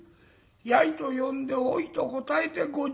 「やい」と呼んで「おい」と答えて５０年。